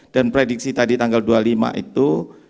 dan prediksi tadi tanggal dua puluh lima itu